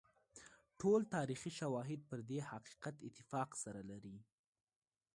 ټول تاریخي شواهد پر دې حقیقت اتفاق سره لري.